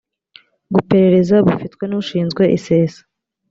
guperereza bufitwe n ushinzwe isesa